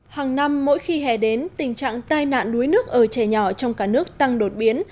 hàng năm mỗi khi hè đến tình trạng tai nạn đuối nước ở trẻ nhỏ trong cả nước tăng đột biến